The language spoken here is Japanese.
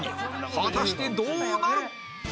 果たしてどうなる？